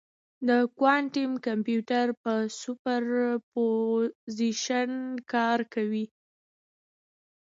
د کوانټم کمپیوټر په سوپرپوزیشن کار کوي.